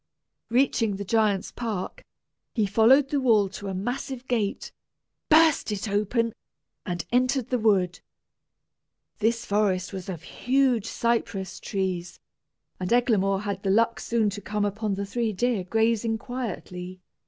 Reaching the giant's park, he followed the wall to a massive gate, burst it open, and entered the wood. This forest was of huge cypress trees, and Eglamour had the luck soon to come upon the three deer grazing quietly.